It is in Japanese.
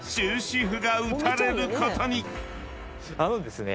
あのですね